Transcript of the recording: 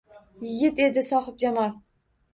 Yigit edi sohibjamol